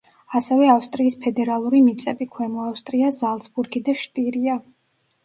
ასევე ავსტრიის ფედერალური მიწები: ქვემო ავსტრია, ზალცბურგი და შტირია.